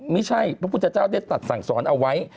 ไม่ใช่พระพุทธเจ้าได้ตัดสั่งสอนเอาไว้